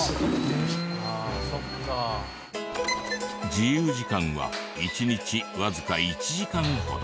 自由時間は一日わずか１時間ほど。